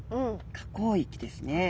河口域ですね。